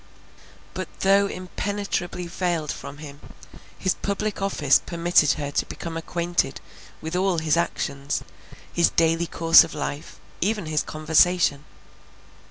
But though impenetrably veiled from him, his public office permitted her to become acquainted with all his actions, his daily course of life, even his conversation.